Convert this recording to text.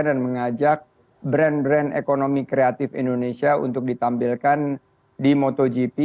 dan mengajak brand brand ekonomi kreatif indonesia untuk ditampilkan di motogp